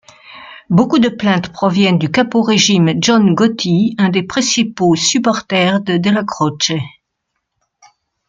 Beaucoup de plaintes proviennent du caporegime John Gotti, un des principaux supporters de Dellacroce.